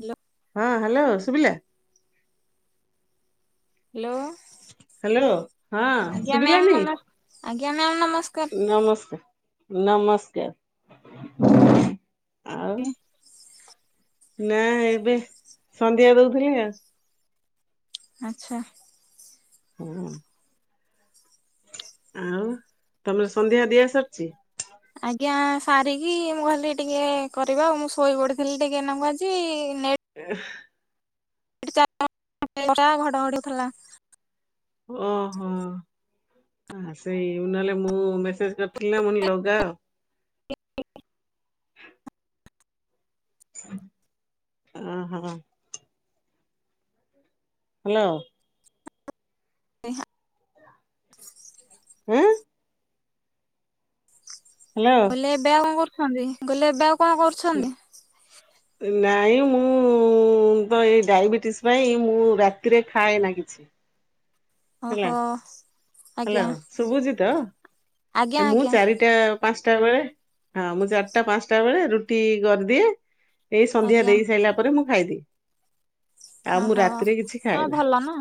Hello. ହଁ hello ସୁଭିଲା। Hello. Hello ହଁ ଆଜ୍ଞା ମ୍ୟାମ୍ ସୁଭିଲାନୀ ନମ ଆଜ୍ଞା ମ୍ୟାମ୍ ନମସ୍କାର ନମସ୍କା ନମସ୍କାର ଆଉ। ନା ଏବେ ସନ୍ଧ୍ୟା ଦଉଥିଲି ଆଉ। ଆଚ୍ଛା। ହଁ। ଆଉ ତମର ସନ୍ଧ୍ୟା ଦିଆ ସରିଚି। ଆଜ୍ଞା ସାରିକି ମୁଁ ଭାଲି ଟିକେ କରିବା ଆଉ ମୁଁ ଶୋଇ ପଡିଥିଲି ଟିକେନାକୁ ଆଜି ନେ [inaudible] [unintelligible] ଘଡ଼ଘଡ଼ୁଥିଲା। ଓହୋ। ହଁ ସେଇ ନହେଲେ ମୁଁ ମେସେଜ କରିଖିଥିଲି ନା ମୁଣି ଲଗାଅ। [inaudible] ଓହୋ। ହ୍ୟାଲୋ। [inaudible] ହୁଁ। ହ୍ୟାଲୋ। କଇଲେ ଏବେଆଉ କଣ କରୁଛନ୍ତି କଇଲି ଏବେ ଆଉ କଣ କରୁ ନାଇଁ ମୁଁ ତ ଏଇ ଡାଇବେଟିସ୍ ପାଇଁ ମୁଁ ରାତିରେ ଖାଏ ନା କିଛି। ହେଲା ଓହୋ। ହ୍ୟାଲୋ ଆଜ୍ଞା ଶୁଭୁଚି ତ ଆଜ୍ଞା ମୁଁ ଆଜ୍ଞା ଚାରି ଚାରିଟା ପାଞ୍ଚଟା ବେଳେ ହଁ ମୁଁ ଚାରିଟା ପାଞ୍ଚଟା ବେଳେ ରୁଟି କରିଦିଏ। ଏଇ ସନ୍ଧ୍ୟା ଆଜ୍ଞା ଦେଇ ସାଇଲା ପରେ ମୁଁ ଖାଇଦିଏ। ଆଉ ମୁଁ ଓହୋ। ରାତିରେ କିଛି ହଁ ଖାଏନା। ଭଲ ନା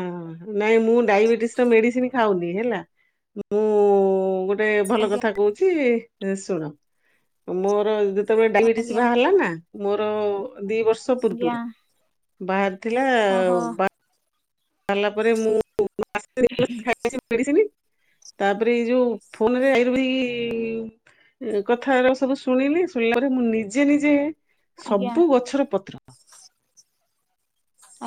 ହଁ ନାଇଁ ମୁଁ ଡାଇବେଟିସ ର ମେଡିସିନ ଖାଉନି ହେଲା। ମୁଁ ଗୋଟେ ଭଲ ଆଜ୍ଞା କଥା କହୁଛି ଶୁଣ। ମୋର ଯେତେବେଳେ ଡାଇବେଟିସ ଆଜ୍ଞା ବାହାରିଲା ନା ମୋର ଦି ବର୍ଷ ବର୍ଷ ଆଜ୍ଞା ପୂର୍ବରୁ ବାହାରି ଥିଲା ଓହୋ ଆ ସାରିଲା ପରେ ମୁଁ ମାସେ ଦିମାସେ ଖାଇଦେଇଚି ମେଡିସିନ ତାପରେ ଏଇ ଯୋଉ ଫୋନରେ ଆୟୁର୍ବେଦିକ କଥା ଗୁରା ସବୁ ଶୁଣିଲି ଶୁଣିଲା ପରେ ମୁଁ ନିଜେ ନିଜେ ଆଜ୍ଞା ସବୁ ଗଛର ପତ୍ର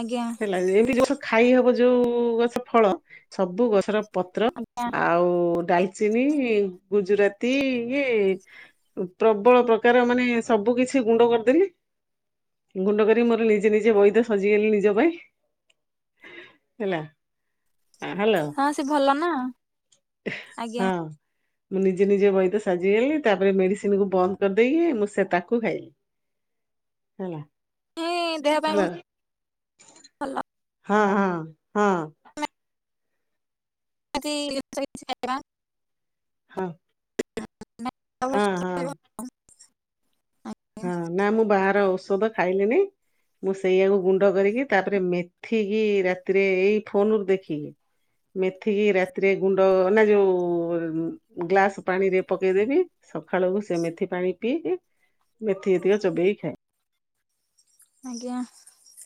ଆଜ୍ଞା। ଲାଗେ ଏମିତି ଜଷ୍ଟ ଗଛ ଖାଇ ହବ ଯୋଉ ଗଛ ଫଳ ସବୁ ଗଛର ପତ୍ର ଆଜ୍ଞା ଆ ଆଉ ଡାଲଚିନି, ଗୁଜୁରାତି ଇଏ ପ୍ରବଳ ପ୍ରକାର ମାନେ ସବୁ କିଛି ଗୁଣ୍ଡ କରିଦେଲି। ଗୁଣ୍ଡ କରିକି ମୋର ନିଜେ ନିଜେ ବୈଦ ସାଜିଗଲି ନିଜ ହେଲା। ହ୍ୟାଲୋ ହଁ ସେ ଭଲ ନା ହଁ ଆଜ୍ଞା। ମୁଁ ନିଜେ ନିଜେ ବୈଦ ସାଜିଗଲି। ତାପରେ ମେଡିସିନକୁ ବନ୍ଦ କରିଦେଇକି ମୁଁ ସେ ତାକୁ ଖାଇଲି। ହେଲା। ନାଇଁ ଦେହ ହ୍ୟାଲୋ ପାଇଁବହୁତ ଭଲ। ହଁ-ହଁ-ହଁ। [inaudible] ହଁ। ହଁ ହଁ। ଭଲ ହଁ ନା ମୁଁ ବାହାର ଔଷଧ ଖାଇଲିନି। ମୁଁ ସେଇଆକୁ ଗୁଣ୍ଡ କରିକି ତାପରେ ମେଥିକି ରାତିରେ ଏଇ ଫୋନ ରୁ ଦେଖିକି ମେଥିକି ରାତିରେ ଗୁଣ୍ଡ ନା ଯୋଉ ଗ୍ଲାସ ପାଣିରେ ପକେଇଦେବି ସଖାଳକୁ ସେ ମେଥି ପାଣି ପିଇକି ମେଥି ଯେତିିକ ଚୋବେଇକି ଖାଏ। ଆଜ୍ଞା।